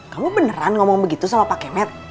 kamu beneran ngomong begitu sama pak kemet